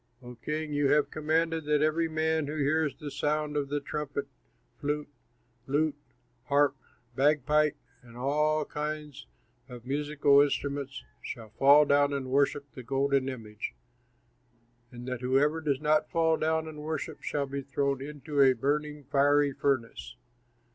O king, you have commanded that every man who hears the sound of the trumpet, flute, lute, harp, bagpipe, and all kinds of musical instruments shall fall down and worship the golden image, and that whoever does not fall down and worship shall be thrown into a burning, fiery furnace.